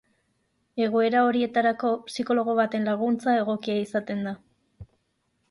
Egoera horietarako psikologo baten laguntza egokia izaten da.